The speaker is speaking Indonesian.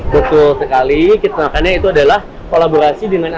betul sekali makanya itu adalah kolaborasi dengan